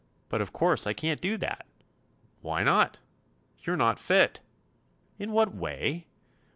But of course I can't do that." "Why not?" "You're not fit." "In what way?"